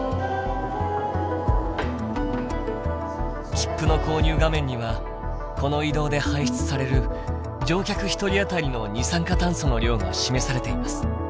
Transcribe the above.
切符の購入画面にはこの移動で排出される乗客１人当たりの二酸化炭素の量が示されています。